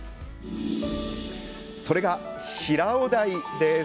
それがこちら、平尾台です。